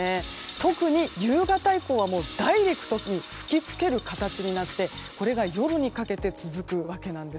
特に、夕方以降はダイレクトに吹き付ける形になってこれが夜にかけて続くわけなんです。